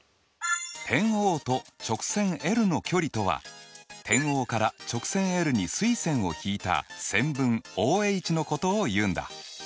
点Ｏと直線ｌの距離とは点Ｏから直線ｌに垂線をひいた線分ＯＨのことを言うんだ。